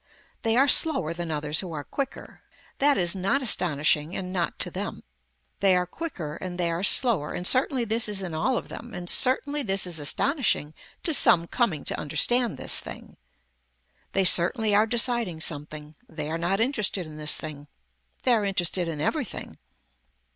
They are slower than others who are quicker. That is not astonishing and not to them. They are quicker and they are slower and certainly this is in all of them and certainly this is astonishing to some coming to understand this thing. They certainly are deciding something. They are not interested in this thing. They are interested in everything.